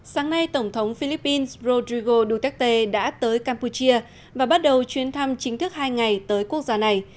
sáng nay tổng thống philippines rodrigo duterte đã tới campuchia và bắt đầu chuyến thăm chính thức hai ngày tới quốc gia này